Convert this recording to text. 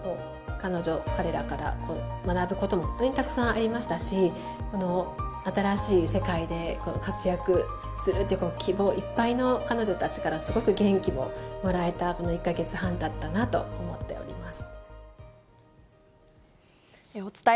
彼女、彼らから学ぶことも本当にたくさんありますし、新しい世界で活躍するという希望いっぱいの彼女たちから、すごく元気ももらえたこの１か月半だったなと思っております。